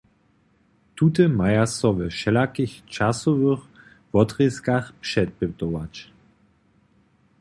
Tute maja so we wšelakich časowych wotrězkach přepytować.